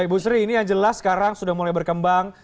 ibu sri ini yang jelas sekarang sudah mulai berkembang